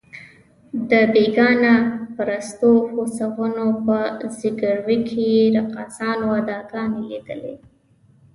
د بېګانه پرستو هوسونو په ځګیروي کې یې رقاصانو اداګانې لیدلې.